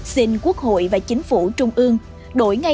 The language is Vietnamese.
xin quốc hội và chính phủ trung ương đổi ngay